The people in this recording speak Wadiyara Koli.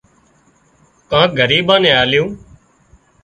ڪانڪ ڳريٻان نين آليون